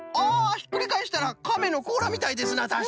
ひっくりかえしたらカメのこうらみたいですなたしかに！